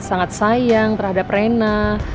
sangat sayang terhadap rena